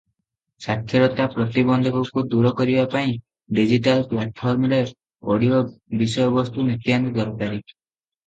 ସାକ୍ଷରତା ପ୍ରତିବନ୍ଧକକୁ ଦୂର କରିବା ପାଇଁ ଡିଜିଟାଲ ପ୍ଲାଟଫର୍ମରେ ଅଡିଓ ବିଷୟବସ୍ତୁ ନିତାନ୍ତ ଦରକାରୀ ।